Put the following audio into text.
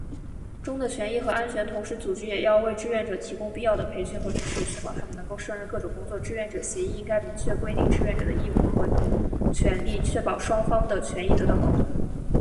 志愿者协议的制定需要考虑到志愿者的权利和利益，保障他们在活动中的权益和安全。同时，组织也需要为志愿者提供必要的培训和支持，以确保他们能够胜任各种工作。志愿者协议应该明确规定志愿者的权利和义务，确保双方的权益得到保障。